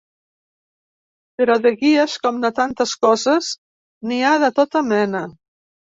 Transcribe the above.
Però de guies, com de tantes coses, n’hi ha de tota mena.